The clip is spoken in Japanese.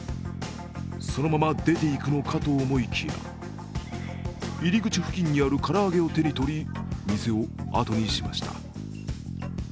そのまま出ていくのかと思いきや、入口付近にある唐揚げを手にとり店をあとにしました。